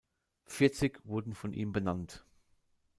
Vierzig wurden von ihm benannt.